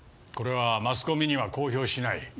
これはマスコミには公表しない。